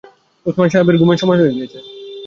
ওসমান সাহেবের ঘুমের সময় হয়ে গিয়েছে।